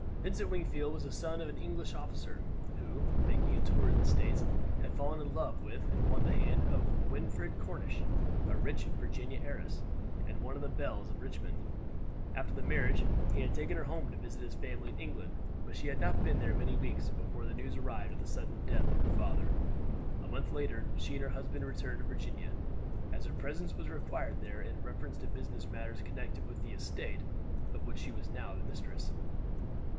Vincent Wingfield was the son of an English officer, who, making a tour in the States, had fallen in love with and won the hand of Winifred Cornish, a rich Virginian heiress, and one of the belles of Richmond. After the marriage he had taken her home to visit his family in England; but she had not been there many weeks before the news arrived of the sudden death of her father. A month later she and her husband returned to Virginia, as her presence was required there in reference to business matters connected with the estate, of which she was now the mistress.